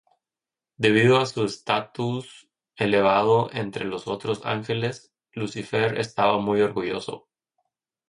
Debido a su estatus elevado entre los otros ángeles, Lucifer estaba muy orgulloso.